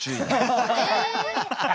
え。